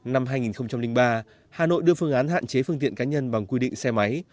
năm hai nghìn ba hà nội đưa phương án hạn chế phương tiện cá nhân bằng quy định xe máy